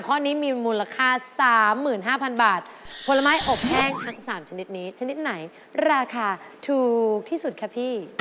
กิวี่ลูกหนึ่งสดก็๓๕บาทแล้ว